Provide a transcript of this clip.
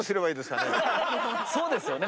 そうですよね。